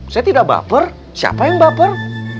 saya tidak baper siapa yang baper